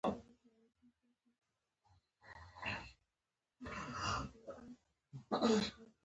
رایبوزوم څه شی تولیدوي؟